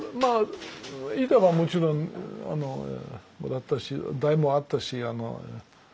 板はもちろんもらったし台もあったし。